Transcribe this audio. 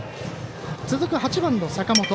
続く８番の坂本。